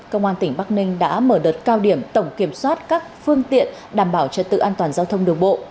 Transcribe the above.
công an tỉnh bắc ninh đã mở đợt cao điểm tổng kiểm soát các phương tiện đảm bảo trật tự an toàn giao thông đường bộ